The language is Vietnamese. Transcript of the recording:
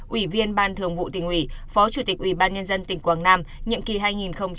ủy viên ban thường vụ tỉnh ủy phó chủ tịch ủy ban nhân dân tỉnh quảng nam nhiệm kỳ hai nghìn hai mươi một hai nghìn hai mươi sáu